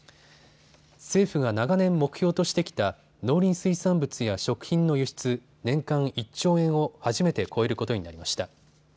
政府が長年、目標としてきた農林水産物や食品の輸出年間１兆円を初めて超えることになりました。